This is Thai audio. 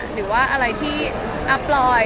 หรือว่าอะไรที่อัพลอย